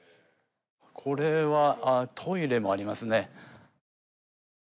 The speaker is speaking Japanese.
これはトイレもありますね